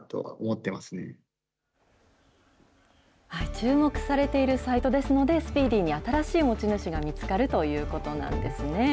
注目されているサイトですので、スピーディーに新しい持ち主が見つかるということなんですね。